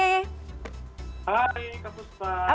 hai kakak sempat